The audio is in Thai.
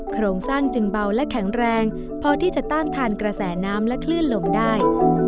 โครงสร้างจึงเบาและแข็งแรงพอที่จะต้านทานกระแสน้ำและคลื่นลมได้